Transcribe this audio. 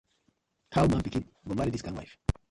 How man pikin go marry dis kind wife.